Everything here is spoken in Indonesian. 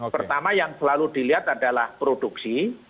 pertama yang selalu dilihat adalah produksi